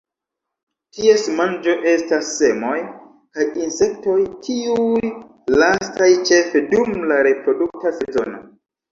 Ties manĝo estas semoj kaj insektoj, tiuj lastaj ĉefe dum la reprodukta sezono.